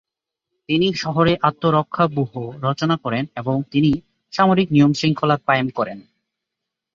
তিনি শহরে আত্মরক্ষাব্যুহ রচনা করেন এবং শহরে সামরিক নিয়ম-শৃঙ্খলা কায়েম করেন।